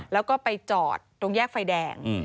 แล้วก็ไปจอดตรงแยกไฟแดง